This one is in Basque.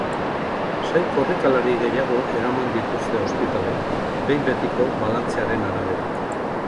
Sei korrikalari gehiago eraman dituzte ospitalera, behin betiko balantzearen arabera.